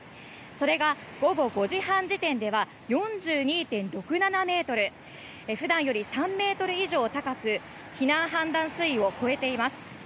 それが午後５時半時点では４２．６７ｍ普段より３ｍ以上高く避難判断水位を超えています。